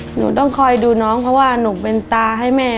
หนูต้องคอยดูน้องเพราะว่าหนูเป็นตาให้แม่